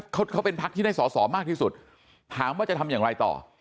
เขาเขาเป็นพักที่ได้สอสอมากที่สุดถามว่าจะทำอย่างไรต่อ